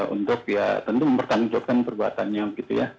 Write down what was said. untuk ya tentu mempertanggungjawabkan perbuatannya gitu ya